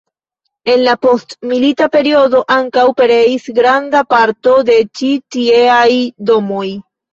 En la postmilita periodo ankaŭ pereis granda parto de ĉi tieaj domoj.